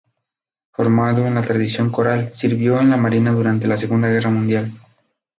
Formado en la tradición coral, sirvió en la marina durante la Segunda Guerra Mundial.